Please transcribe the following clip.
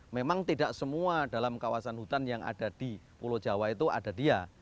memang tidak semua dalam kawasan hutan yang ada di pulau jawa itu ada dia